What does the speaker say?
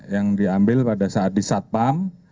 yang diambil pada saat disatpam